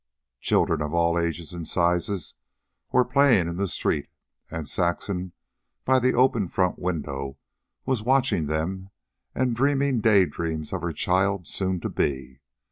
Children, of all ages and sizes, were playing in the street, and Saxon, by the open front window, was watching them and dreaming day dreams of her child soon to be.